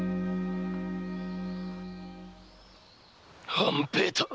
半平太！